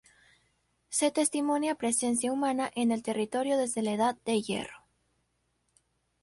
Se testimonia presencia humana en el territorio desde la Edad de Hierro.